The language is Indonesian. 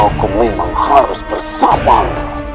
hukum memang harus bersabar